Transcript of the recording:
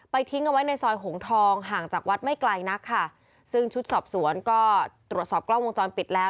ทิ้งเอาไว้ในซอยหงทองห่างจากวัดไม่ไกลนักค่ะซึ่งชุดสอบสวนก็ตรวจสอบกล้องวงจรปิดแล้ว